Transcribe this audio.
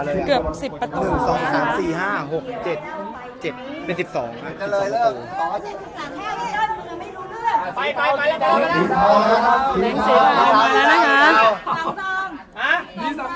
เกือบสิบประตูสี่ห้าหกเจ็ดเจ็ดเป็นสิบสองสิบสองตัว